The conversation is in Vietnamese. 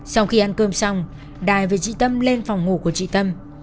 sau khi ăn cơm xong đài về chị tâm lên phòng ngủ của chị tâm